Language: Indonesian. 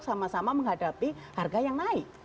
sama sama menghadapi harga yang naik